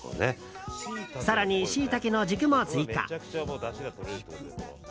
更にシイタケの軸も追加。